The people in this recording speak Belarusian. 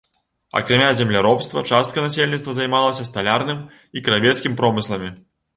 Акрамя земляробства, частка насельніцтва займалася сталярным і кравецкім промысламі.